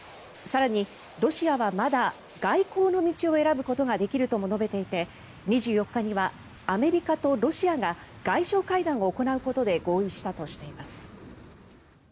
更にロシアはまだ外交の道を選ぶことができるとも述べていて２４日にはアメリカとロシアが外相会談を行うことで合意したとしています。